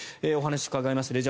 お話をお伺いします